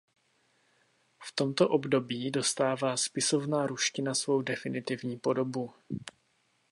V tomto období dostává spisovná ruština svou definitivní podobu.